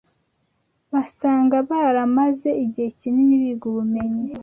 Basanga baramaze igihe kinini biga ubumenyi